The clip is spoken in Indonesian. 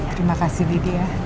terima kasih lydia